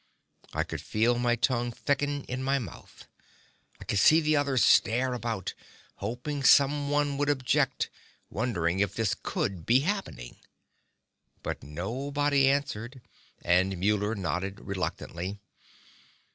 I could feel my tongue thicken in my mouth. I could see the others stare about, hoping someone would object, wondering if this could be happening. But nobody answered, and Muller nodded reluctantly.